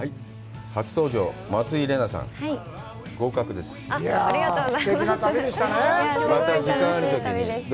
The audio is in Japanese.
初登場、松井玲奈さん、合格です。